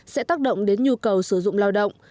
sẽ tác động đến nhu cầu sử dụng lao động